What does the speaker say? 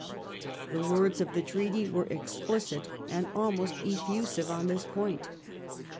The words of the Treaty were explicit and almost effusive on this point.